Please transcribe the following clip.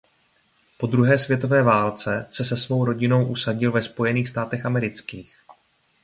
Po druhé světové válce se se svou rodinou usadil ve Spojených státech amerických.